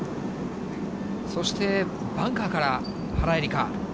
そして、バンカーから原英莉花。